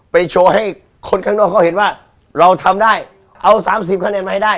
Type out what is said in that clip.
โชว์ให้คนข้างนอกเขาเห็นว่าเราทำได้เอา๓๐คะแนนมาให้ได้